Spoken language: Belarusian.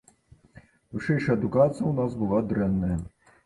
Вышэйшая адукацыя ў нас была дрэнная.